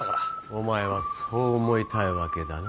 お前はそう思いたいだけだな。